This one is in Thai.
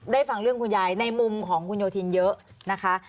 ฟังเรื่องคุณยายในมุมของคุณโยธินเยอะนะคะ